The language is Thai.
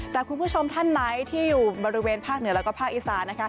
แต่คุณผู้ชมท่านไหนที่อยู่บริเวณภาคเหนือแล้วก็ภาคอีสานนะคะ